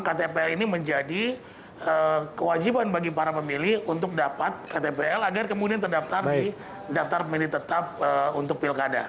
ktpl ini menjadi kewajiban bagi para pemilih untuk dapat ktpl agar kemudian terdaftar di daftar pemilih tetap untuk pilkada